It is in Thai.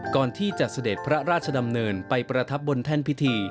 ก่อนที่จะเสด็จพระราชดำเนินไปประทับบนแท่นพิธี